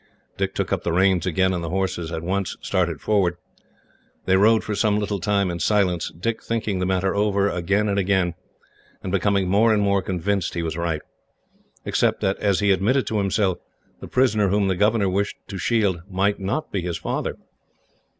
He took up the reins again, and the horse at once started forward. They rode for some little time in silence, Dick thinking the matter over, again and again, and becoming more and more convinced he was right; except that, as he admitted to himself, the prisoner whom the governor wished to shield might not be his father.